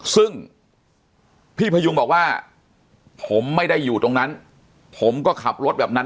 ซึ่งพี่พยุงบอกว่าผมไม่ได้อยู่ตรงนั้นผมก็ขับรถแบบนั้น